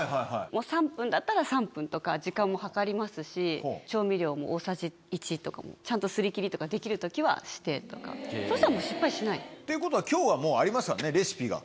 ３分だったら３分とか時間も計りますし調味料も大さじ１とかもちゃんとすり切りとかできる時はしてとかそしたらもう失敗しない。っていうことは今日はもうありますからねレシピが。